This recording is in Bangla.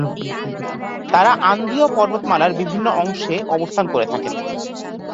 তারা আন্দীয় পর্বতমালার বিভিন্ন অংশ অবস্থান করে থাকেন।